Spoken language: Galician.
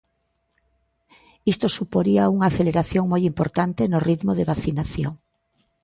Isto suporía unha aceleración moi importante no ritmo de vacinación.